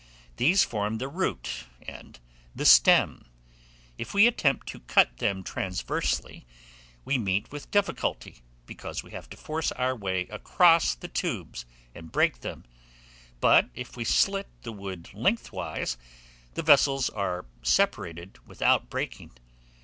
These form the root and the stem. If we attempt to cut them transversely, we meet with difficulty, because we have to force our way across the tubes, and break them; but if we slit the wood lengthwise, the vessels are separated without breaking.